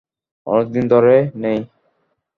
অনেকদিন ধরেই নেই।